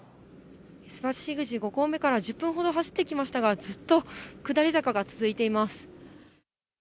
須走口５合目から１０分ほど走ってきましたが、ずっと下り坂が続いています。